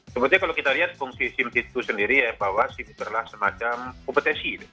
sebenarnya kalau kita lihat fungsi sim itu sendiri bahwa sim ini adalah semacam kompetensi